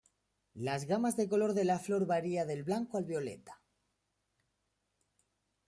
Las gamas de color de la flor varía del blanco al violeta.